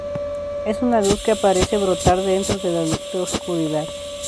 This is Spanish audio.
Es una luz que parece brotar de dentro de la oscuridad.